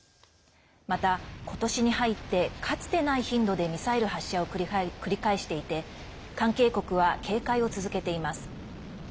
また、ことしに入ってかつてない頻度でミサイル発射を繰り返していて関係国は警戒を続けています。